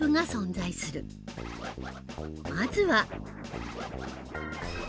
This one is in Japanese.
まずは。